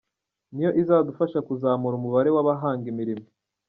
Niyo izadufasha kuzamura umubare w’abahanga imirimo.